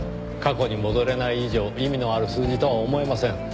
過去に戻れない以上意味のある数字とは思えません。